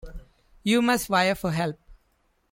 You must wire for help.